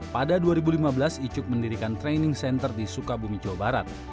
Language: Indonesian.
pada dua ribu lima belas icuk mendirikan training center di sukabumi jawa barat